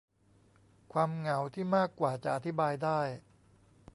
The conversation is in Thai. ความเหงาที่มากกว่าจะอธิบายได้